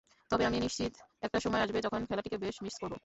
তবে আমি নিশ্চিত একটা সময় আসবে যখন খেলাটিকে বেশ মিস করব।